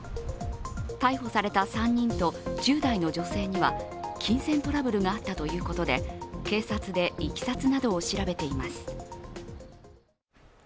逮捕された３人と１０代の女性には金銭トラブルがあったということで警察でいきさつなどを調べています。